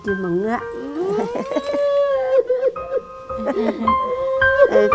ดิมังเหงือ